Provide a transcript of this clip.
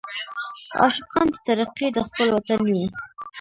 عاشقان د ترقۍ د خپل وطن یو.